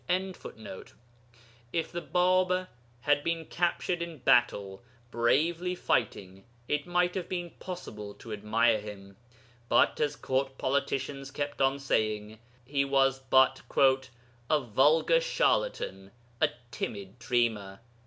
5.] If the Bāb had been captured in battle, bravely fighting, it might have been possible to admire him, but, as Court politicians kept on saying, he was but 'a vulgar charlatan, a timid dreamer.'